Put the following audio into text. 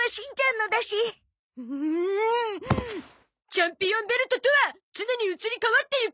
チャンピオンベルトとは常に移り変わっていくもの。